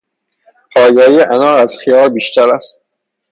پایایی انار از خیار بیشتر است.